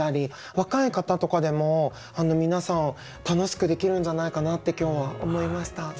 若い方とかでも皆さん楽しくできるんじゃないかなって今日は思いました。